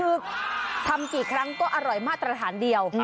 คือทำกี่ครั้งก็อร่อยมาตรฐานเดียว